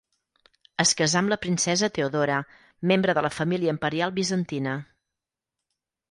Es casà amb la princesa Teodora, membre de la família imperial bizantina.